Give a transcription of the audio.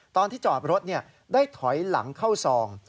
ตอนที่จอดรถได้ถอยหลังเข้าซอง